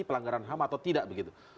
pelanggaran ham atau tidak begitu